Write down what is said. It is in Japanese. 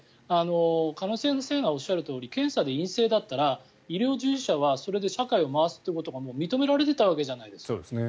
鹿野先生がおっしゃるとおり検査で陰性だったら医療従事者はそれで社会を回すということがもう認められていたわけじゃないですか。